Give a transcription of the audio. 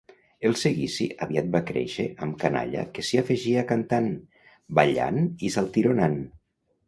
El seguici aviat va créixer amb canalla que s'hi afegia cantant, ballant i saltironant.